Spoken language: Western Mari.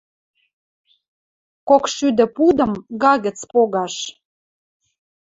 Кокшӱдӹ пудым га гӹц погаш